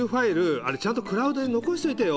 あれちゃんとクラウドで残しといてよ！